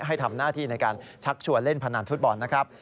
ให้ทำหน้าที่ในการชักชวนเล่นพนันฟุตบอลนะครับ